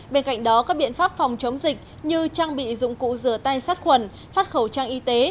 bên cạnh đó các biện pháp phòng chống dịch như trang bị dụng cụ rửa tay sát khuẩn phát khẩu trang y tế